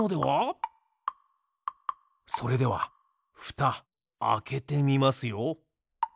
それではふたあけてみますよ。